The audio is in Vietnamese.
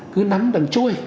cứ nắm đằng chui